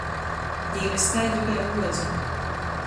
Dīna skaidra kai gluoze.